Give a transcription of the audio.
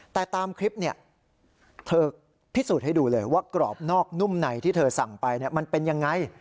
แต่ตามคลิปเนี่ยเธอพิสูจน์ให้ดูเลยว่ากรอบนอกนุ่มในที่เธอสั่งไปมันเป็นยังไง